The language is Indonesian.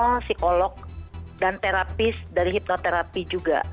psikolog dan terapis dari hipnoterapi juga